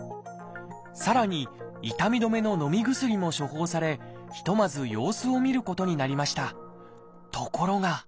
さらに痛み止めののみ薬も処方されひとまず様子を見ることになりました。